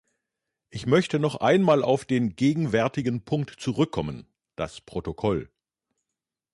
Ich möchte noch einmal auf den gegenwärtigen Punkt zurückkommen das Protokoll.